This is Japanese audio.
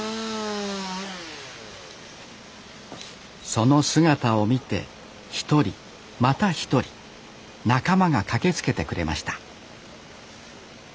その姿を見て一人また一人仲間が駆けつけてくれました